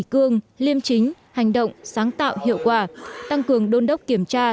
cương liêm chính hành động sáng tạo hiệu quả tăng cường đôn đốc kiểm tra